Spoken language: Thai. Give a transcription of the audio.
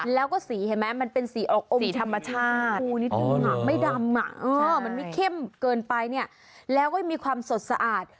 แล้วก็สีเห็นไหมมันเป็นสีออกอมธรรมชาติไม่ดำมันไม่เข้มเกินไปเนี่ยแล้วก็มีความสดสะอาด